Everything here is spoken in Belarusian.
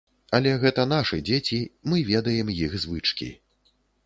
Але гэта нашы дзеці, мы ведаем іх звычкі.